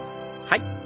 はい。